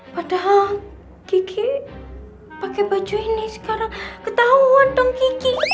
padahal kiki pake baju ini sekarang ketahuan dong kiki